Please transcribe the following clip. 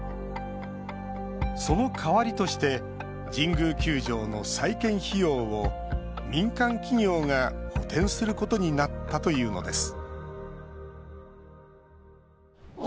その代わりとして神宮球場の再建費用を民間企業が補填することになったというのです